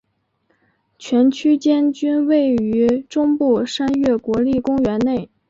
全区间均位于中部山岳国立公园内。